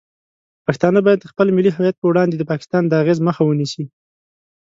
پښتانه باید د خپل ملي هویت په وړاندې د پاکستان د اغیز مخه ونیسي.